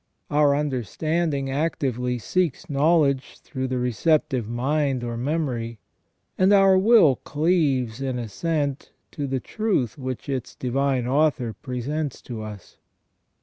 Our understanding actively seeks knowledge through the receptive mind or memory ; and our will cleaves in assent to the truth which its Divine Author presents to us.